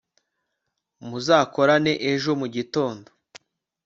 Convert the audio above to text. muzakorane ejo mu gitondo